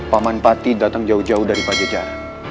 paman pati datang jauh jauh dari pajajar